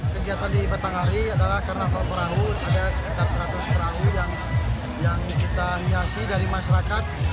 kegiatan di petang hari adalah karena kalau perahu ada sekitar seratus perahu yang kita hiasi dari masyarakat